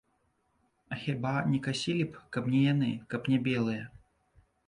А хіба не касілі б, каб не яны, каб не белыя?